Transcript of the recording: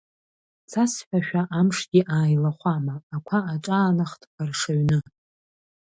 Цасҳәашәа амшгьы ааилахәама, ақәа аҿаанахт қәаршаҩны.